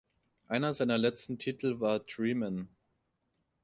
Einer seiner letzten Titel war "Dreamin’".